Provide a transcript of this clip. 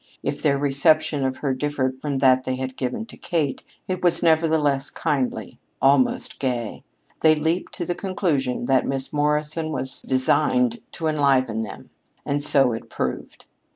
If their reception of her differed from that they had given to Kate, it was nevertheless kindly almost gay. They leaped to the conclusion that Miss Morrison was designed to enliven them. And so it proved.